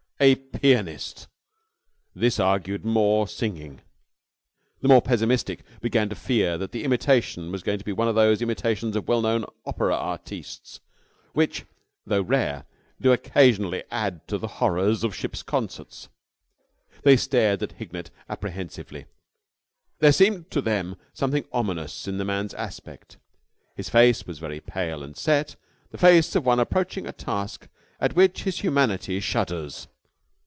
A pianist! This argued more singing. The more pessimistic began to fear that the imitation was going to be one of those imitations of well known opera artistes which, though rare, do occasionally add to the horrors of ships' concerts. They stared at Hignett apprehensively. There seemed to them something ominous in the man's very aspect. His face was very pale and set, the face of one approaching a task at which his humanity shudders.